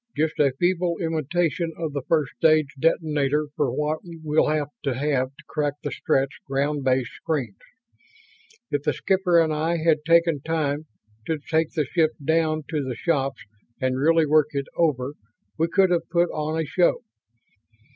Just a feeble imitation of the first stage detonator for what we'll have to have to crack the Stretts' ground based screens. If the skipper and I had taken time to take the ship down to the shops and really work it over we could have put on a show.